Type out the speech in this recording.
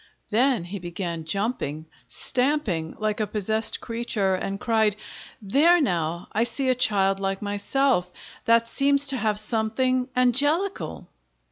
Then he began jumping, stamping like a possessed creature, and cried: "There now! I see a child like myself, that seems to have something angelical."